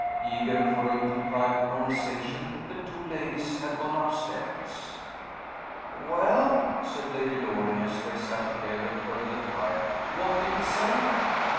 Eager for a little private conversation, the two ladies had gone upstairs. "Well?" said Lady Loring, as they sat together over the fire. "What did he say?"